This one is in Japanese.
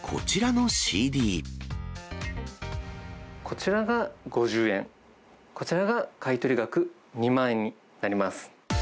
こちらが５０円、こちらが買い取り額２万円になります。